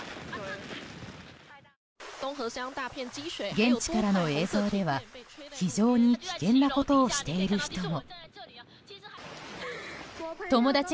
現地からの映像では、非常に危険なことをしている人も。